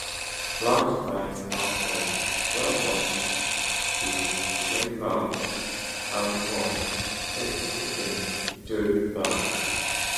Branch lines ran from Wohlen to Bremgarten and from Hendschiken to Brugg.